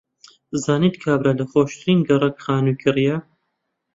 زانیتت کابرا لە خۆشترین گەڕەک خانووی کڕییە.